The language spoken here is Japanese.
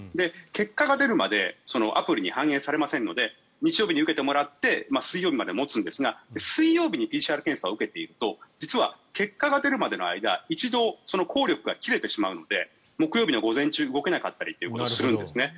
結果が出るまでアプリに反映されませんので日曜日に受けてもらって水曜日まで持つんですが水曜日にＰＣＲ検査を受けていると実は結果が出るまでの間一度、効力が切れてしまうので木曜日の午前中動けなかったりということがあるんですね。